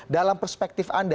dalam perspektif anda